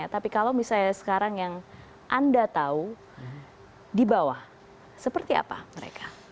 tapi kalau misalnya sekarang yang anda tahu di bawah seperti apa mereka